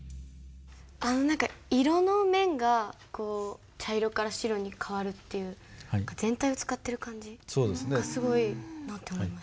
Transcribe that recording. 何か色の面が茶色から白に変わるっていう全体を使ってる感じがすごいなと思いました。